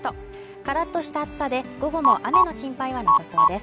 カラッとした暑さで午後も雨の心配はなさそうです